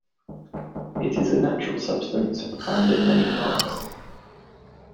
It is a natural substance found in many plants.